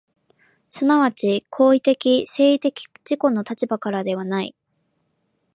即ち行為的・制作的自己の立場からではない。